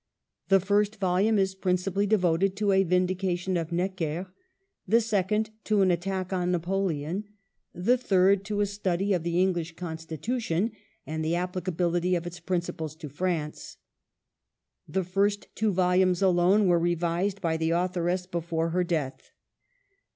The first volume is principally devoted to a vindication of Necker ; the second to an attack on Napoleon ; the third to a study of the English Constitution and the applicability of its principles to France, The first two vol umes alone were revised by the authoress before her death.